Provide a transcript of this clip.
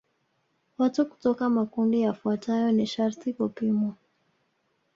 Watu kutoka makundi yafuatayo ni sharti kupimwa